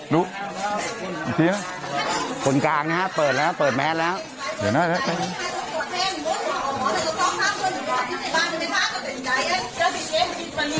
ดูอีกทีนะฝนกลางนะฮะเปิดแล้วเปิดแมทแล้วเดี๋ยวน่ะไป